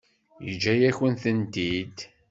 Yeǧǧa-yakent-tent-id?